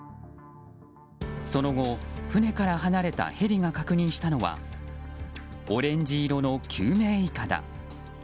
その後、船から離れたヘリが確認したのはオレンジ色の救命いかだ。